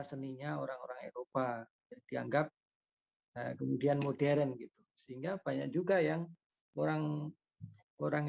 seninya orang orang eropa yang dianggap kemudian modern gitu sehingga banyak juga yang orang orang